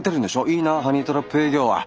いいなあハニートラップ営業は。